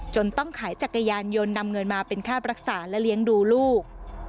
ต้องขายจักรยานยนต์นำเงินมาเป็นค่ารักษาและเลี้ยงดูลูก